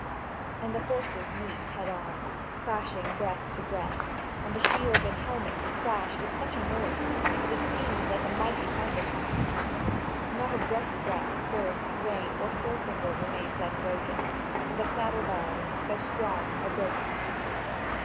And the horses meet head on, clashing breast to breast, and the shields and helmets crash with such a noise that it seems like a mighty thunder clap; not a breast strap, girth, rein or surcingle remains unbroken, and the saddle bows, though strong, are broken to pieces.